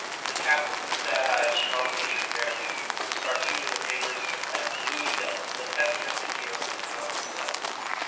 The captain, a sad eyed, strong featured American, was cartooned in the papers as "Gloomy Gus" (the pessimistic hero of the comic supplement).